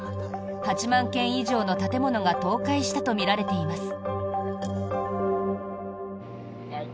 ８万軒以上の建物が倒壊したとみられています。